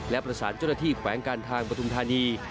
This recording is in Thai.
และประสานเจ้าหน้าที่แขวงการทางปฐุมธานี